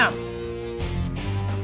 dalam aturan di jalan